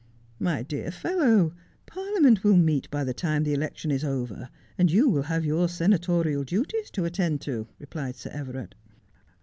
'My dear fellow, Parliament will meet by the time the elec tion is over, and you will have your senatorial duties to attend to,' replied Sir Everard.